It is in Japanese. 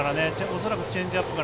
恐らくチェンジアップかな。